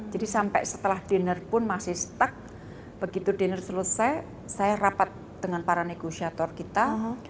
jadi sampai setelah diner pun masih stuck begitu diner selesai saya rapat dengan para negosiator kita